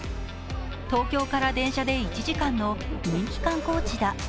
東京から電車で１時間の人気観光地だ。